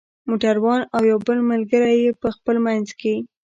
موټر وان او یو بل ملګری یې په خپل منځ کې.